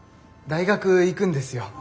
大学行くんですよ。